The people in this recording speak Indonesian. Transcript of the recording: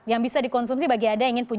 yang bisa dikonsumsi bagi ada yang ingin punya